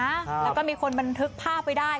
แล้วก็มีคนบันทึกภาพไว้ได้